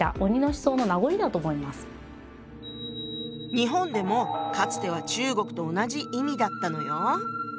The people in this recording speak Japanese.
日本でもかつては中国と同じ意味だったのよ。